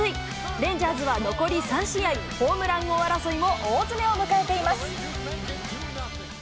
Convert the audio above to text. レンジャーズは残り３試合、ホームラン王争いも大詰めを迎えています。